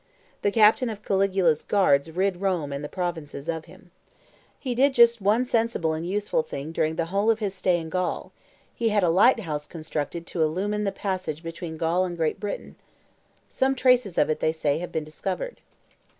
The captain of Caligula's guards rid Rome and the provinces of him. He did just one sensible and useful thing during the whole of his stay in Gaul: he had a light house constructed to illumine the passage between Gaul and Great Britain. Some traces of it, they say, have been discovered.